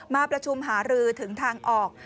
มาประชุมหารือถึงทางออก